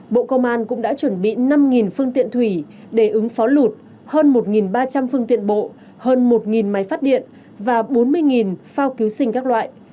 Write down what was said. bộ công an cũng đã chuẩn bị năm phương tiện thủy để ứng phó lụt hơn một ba trăm linh phương tiện bộ hơn một máy phát điện và bốn mươi phao cứu sinh các loại